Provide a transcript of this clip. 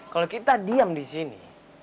kalau kita diam di sini